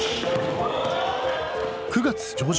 ９月上旬。